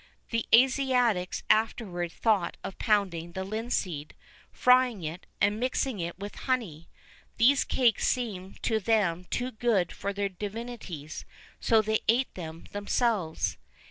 The Asiatics afterwards thought of pounding the linseed, frying it, and mixing it with honey; these cakes seemed to them too good for their divinities, so they ate them themselves.